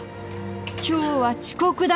今日は遅刻だ